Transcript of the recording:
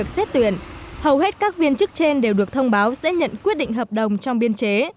xét tuyển hầu hết các viên chức trên đều được thông báo sẽ nhận quyết định hợp đồng trong biên chế